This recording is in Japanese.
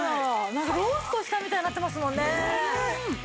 なんかローストしたみたいになってますもんね。